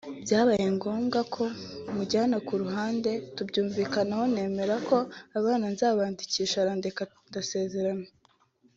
byabaye ngombwa ko mujyana ku ruhande tubyumvikanaho nemera ko abana nzabandikisha arandeka ndasezerana